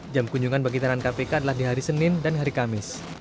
jam kunjungan bagi tahanan kpk adalah di hari senin dan hari kamis